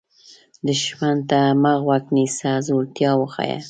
دښمن ته مه غوږ نیسه، زړورتیا وښیه